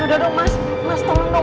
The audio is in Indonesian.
udah dong mas mas tolong dong